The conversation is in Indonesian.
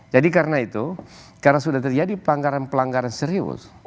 jadi karena itu karena sudah terjadi pelanggaran pelanggaran serius